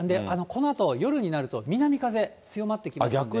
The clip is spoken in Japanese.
このあと夜になると、南風強まってきますので。